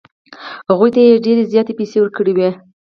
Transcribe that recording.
هغوی ته یې ډېرې زیاتې پیسې ورکړې وې.